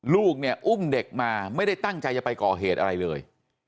ลูกเนี่ยอุ้มเด็กมาไม่ได้ตั้งใจจะไปก่อเหตุอะไรเลย